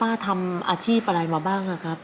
ทำอาชีพอะไรมาบ้างครับ